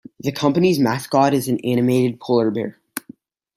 The company's mascot is an animated polar bear.